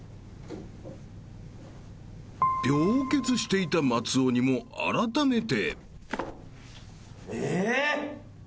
［病欠していた松尾にもあらためて］え？